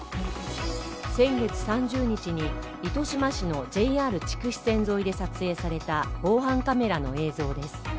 先月３０日に糸島市のＪＲ筑肥線沿いで撮影された防犯カメラの映像です。